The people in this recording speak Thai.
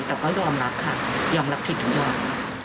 แต่ก็ยอมรับค่ะยอมรับผิดทุกอย่าง